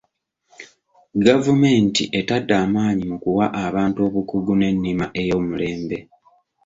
Gavumenti etadde amaanyi mu kuwa abantu obukugu n'ennima ey'omulembe.